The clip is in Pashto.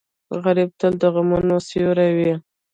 غریب تل د غمونو سیوری وي